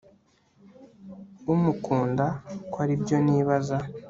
umukunda ko aribyo nibaza